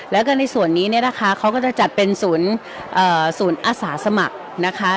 แล้วก็ในส่วนนี้เนี่ยนะคะเขาก็จะจัดเป็นศูนย์ศูนย์อาสาสมัครนะคะ